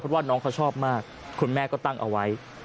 เพราะว่าน้องเขาชอบมากคุณแม่ก็ตั้งเอาไว้